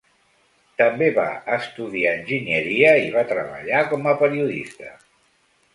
També va estudiar enginyeria i va treballar com a periodista.